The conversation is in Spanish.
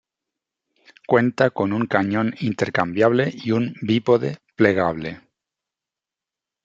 Cuenta con un cañón intercambiable y un bípode plegable.